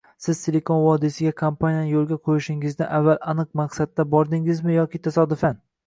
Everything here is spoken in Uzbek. Siz Silikon vodiysiga kompaniyani yoʻlga qoʻyishingizdan avval aniq maqsadda bordingizmi yoki tasodifan?